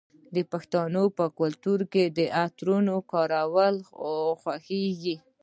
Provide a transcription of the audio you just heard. د پښتنو په کلتور کې د عطرو کارول خوښیږي.